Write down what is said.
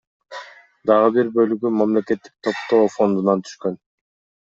Дагы бир бөлүгү мамлекеттик топтоо фондунан түшкөн.